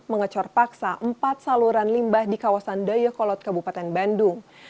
mengecor paksa empat saluran limbah di kawasan dayakolot kabupaten bandung